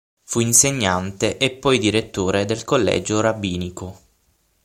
Fu insegnante e poi Direttore del Collegio rabbinico.